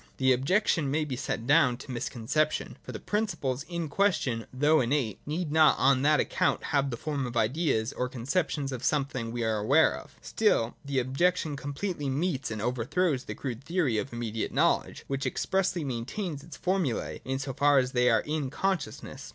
The objection may be set down to misconception ; for the principles in question, though innate, need not on that account have the form of ideas or conceptions of something we are aware of. Still, the objection completely meets and overthrows the crude theory of immediate know ledge, which expressly maintains its formulae in so far as they are in consciousness.